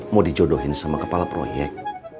mau dijodohin sama kepala proyek